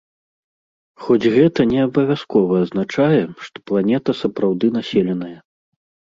Хоць гэта не абавязкова азначае, што планета сапраўды населеная.